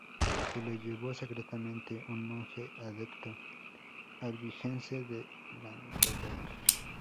Se lo llevó secretamente un monje adepto albigense de Languedoc.